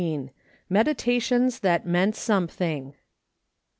MEDITA TIONS THA T MEANT SOME THING.